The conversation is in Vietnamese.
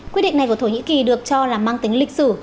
quyết định này của thổ nhĩ kỳ được cho là mang tính lịch sử